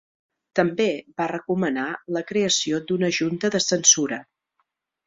També va recomanar la creació d"una junta de censura.